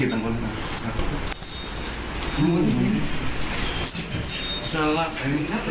ดีกว่ามนต์ไม่ต้องอ่า